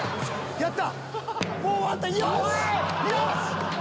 やった！